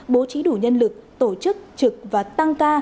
bố trí đủ nhân lực tổ chức trực và tăng ca